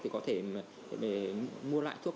thì có thể mua lại thuốc